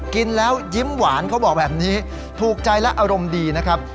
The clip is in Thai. กินแล้วยิ้มหวานเขาบอกแบบนี้ถูกใจและอารมณ์ดีนะครับ